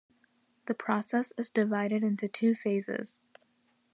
The process is divided into two phases.